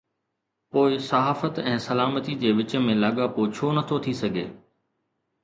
پوءِ صحافت ۽ سلامتي جي وچ ۾ لاڳاپو ڇو نٿو ٿي سگهي؟